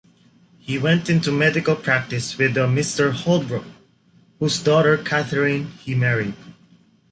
He went into medical practice with a Mr. Holbrook, whose daughter Catherine he married.